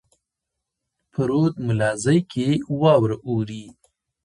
په رود ملازۍ کښي واوره اوري.